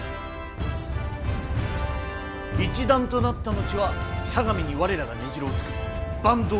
一団となった後は相模に我らが根城を作り坂東